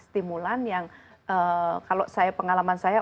stimulan yang kalau pengalaman saya